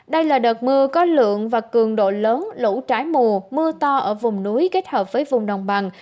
đây là đợt mưa có lượng và cường độ lớn lũ trái mùa mưa to ở vùng núi kết hợp với vùng đồng bằng